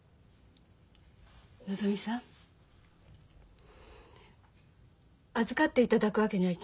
のぞみさん預かっていただくわけにはいきませんか？